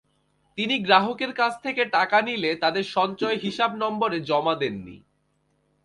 তিনি গ্রাহকের কাছ থেকে টাকা নিলে তাঁদের সঞ্চয় হিসাব নম্বরে জমা দেননি।